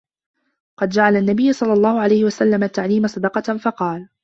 فَقَدْ جَعَلَ النَّبِيُّ صَلَّى اللَّهُ عَلَيْهِ وَسَلَّمَ التَّعْلِيمَ صَدَقَةً فَقَالَ